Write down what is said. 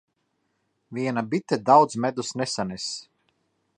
Viena bite daudz medus nesanes.